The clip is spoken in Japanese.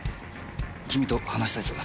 君と話したいそうだ。